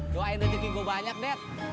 doain dan cekin gua banyak dad